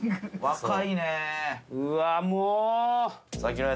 うわもう。